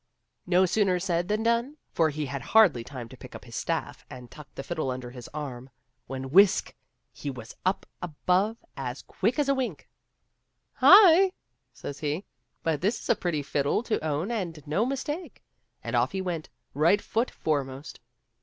No sooner said than done, for he had hardly time to pick up his staiT and tuck the fiddle under his arm, when — whisk !— he was up above as quick as a wink. " Hi !" said he, " but this is a pretty fiddle to own and no mistake !" and off he went, right foot foremost.